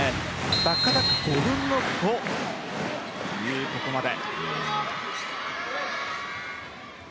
バックアタックも５分の５というここまで。